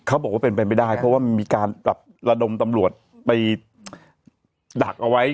เขาบอกว่าเป็นไปไม่ได้เพราะว่ามันมีการแบบระดมตำรวจไปดักเอาไว้